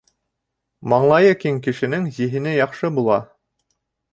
Маңлайы киң кешенең зиһене яҡшы була.